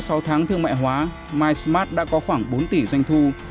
sau tháng thương mại hóa mysmart đã có khoảng bốn tỷ doanh thu